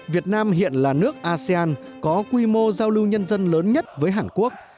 việt nam hiện là nước asean có quy mô giao lưu nhân dân lớn nhất với hàn quốc